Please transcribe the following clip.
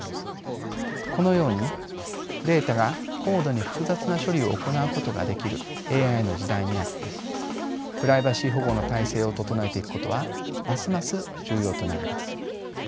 このようにデータが高度に複雑な処理を行うことができるＡＩの時代にあってプライバシー保護の体制を整えていくことはますます重要となります。